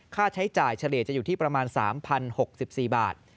ค่าใช้จ่ายเฉลี่ยจะอยู่ที่ประมาณ๓๐๖๔บาท